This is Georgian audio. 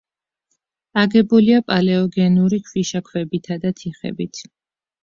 აგებულია პალეოგენური ქვიშაქვებითა და თიხებით.